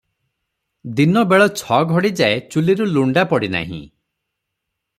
ଦିନ ବେଳ ଛ ଘଡ଼ିଯାଏ ଚୁଲୀରେ ଲୁଣ୍ଡା ପଡିନାହିଁ ।